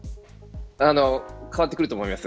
変わってくると思います。